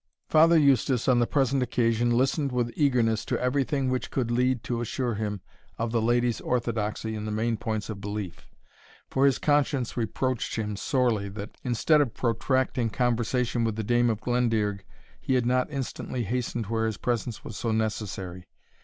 Father Eustace, on the present occasion, listened with eagerness to everything which could lead to assure him of the lady's orthodoxy in the main points of belief; for his conscience reproached him sorely, that, instead of protracting conversation with the Dame of Glendearg, he had not instantly hastened where his presence was so necessary.